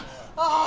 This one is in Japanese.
ああ！